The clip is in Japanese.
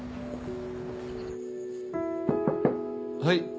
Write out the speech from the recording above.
はい。